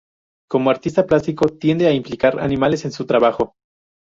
Como artista plástico tiende a implicar animales en su trabajo.